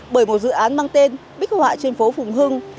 bởi một dự án mang tên bích họa trên phố phùng hưng